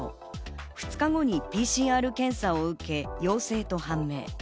２日後にＰＣＲ検査を受け、陽性と判明。